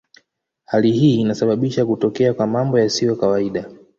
Hali hii inasababisha kutokea kwa mambo yasiyo kawaida.